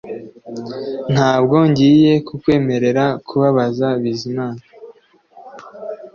Ntabwo ngiye kukwemerera kubabaza Bizimana